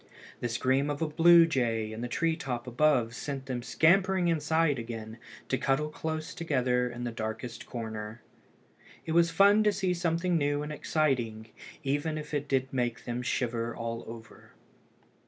The scream of a blue jay in the tree top above sent them scampering inside again, to cuddle close together in the darkest corner. It was fun to see something new and exciting, even if it did make them shiver all over.